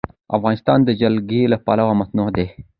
افغانستان د جلګه له پلوه متنوع دی.